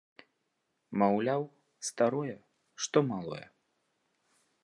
Маўляў, старое, што малое.